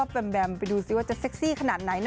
แมมไปดูสิว่าจะเซ็กซี่ขนาดไหนนะ